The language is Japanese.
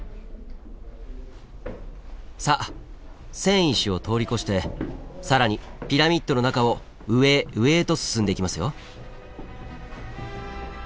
さあ栓石を通り越して更にピラミッドの中を上へ上へと進んでいきますよ。